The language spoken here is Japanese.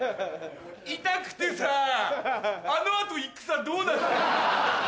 痛くてさあの後戦どうなった？